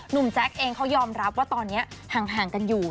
แจ๊คเองเขายอมรับว่าตอนนี้ห่างกันอยู่